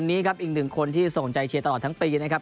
อีกหนึ่งคนที่ส่งใจเชียร์ตลอดทั้งปีนะครับ